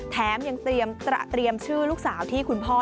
แท้มยังเตรียมตระเตรียมชื่อลูกสาวที่คุณพ่อ